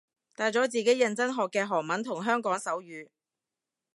大咗自己認真學嘅得韓文同香港手語